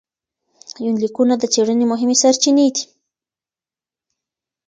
يونليکونه د څېړنې مهمې سرچينې دي.